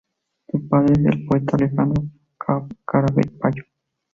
Su padre es el poeta Alejandro Caraballo.